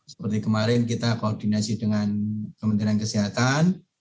seperti kemarin kita koordinasi dengan kementerian kesehatan